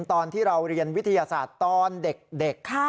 ตอนที่เราเรียนวิทยาศาสตร์ตอนเด็ก